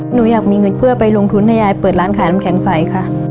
หนูอยากมีเงินเพื่อไปลงทุนให้ยายเปิดร้านขายน้ำแข็งใสค่ะ